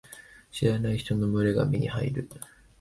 知らない人の群れが目に入る。